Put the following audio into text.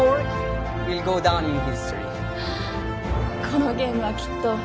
「このゲームはきっと」